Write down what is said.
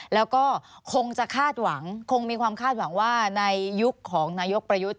แล้วก็คงจะคาดหวังคงมีความคาดหวังว่าในยุคของนายกประยุทธ์